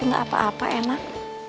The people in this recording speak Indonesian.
sepuluh ben tapi gak apa apa enak